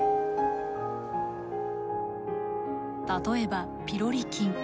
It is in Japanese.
例えばピロリ菌。